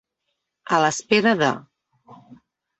A l'espera de.